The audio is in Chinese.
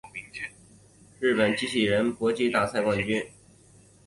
日本机器人搏击大赛冠军